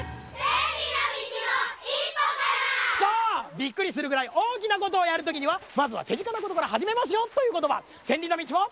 びっくりするぐらいおおきなことをやるときにはまずはてぢかなことからはじめますよということば。